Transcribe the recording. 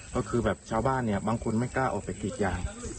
ก็คือแบบชาวบ้านเนี่ยบางคนไม่กล้าออกไปกรีดยาง